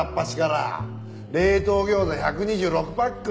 冷凍餃子１２６パック。